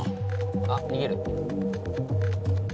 あっ逃げる。